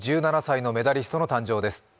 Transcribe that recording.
１７歳のメダリストの誕生です。